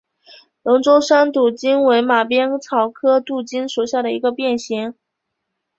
龙州山牡荆为马鞭草科牡荆属下的一个变型。